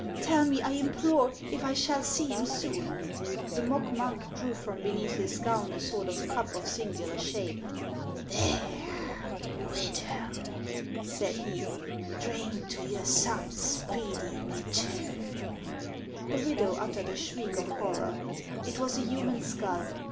Tell me, I implore, if I shall see him soon." The mock monk drew from beneath his gown a sort of cup of singular shape. " There, widow," said he, " drink to your son's speedy return !" The widow uttered a shriek of horror. It was a human skull.